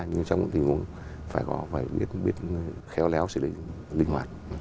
nhưng trong tình huống phải biết khéo léo sự linh hoạt